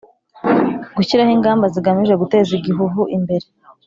gushyiraho ingamba zigamije guteza igihuhu imbere